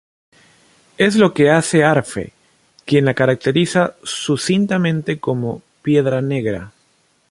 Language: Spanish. Es lo que hace Arfe, quien la caracteriza sucintamente como "piedra negra".